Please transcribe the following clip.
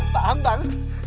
pak ham bang